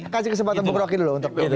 kasih kesempatan bukroke dulu